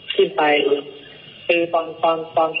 ของผู้หญิงนี่ครับ